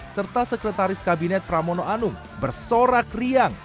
serta sekretaris kabinet pramono anung bersorak riang